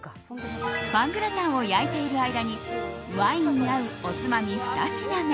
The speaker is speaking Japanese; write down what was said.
パングラタンを焼いている間にワインに合うおつまみ２品目。